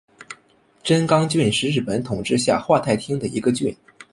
真冈郡是日本统治下桦太厅的一郡。